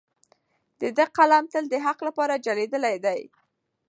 د ده قلم تل د حق لپاره چلیدلی دی.